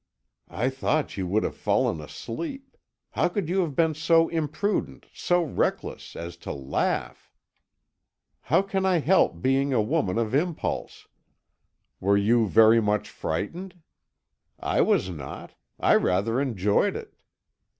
"I thought you would have fallen asleep. How could you have been so imprudent, so reckless, as to laugh?" "How can I help being a woman of impulse? Were you very much frightened? I was not I rather enjoyed it.